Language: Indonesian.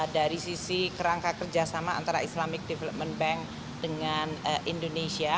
dari sisi kerangka kerjasama antara islamic development bank dengan indonesia